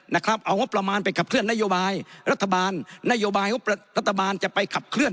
นะครับเอางบประมาณไปขับเคลื่อนนโยบายรัฐบาลนโยบายงบรัฐบาลจะไปขับเคลื